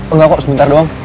enggak kok sebentar doang